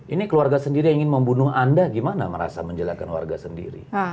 ini keluarga sendiri ingin membunuh anda gimana merasa menjelakan warga sendiri